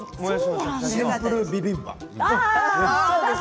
シンプルビビンバ。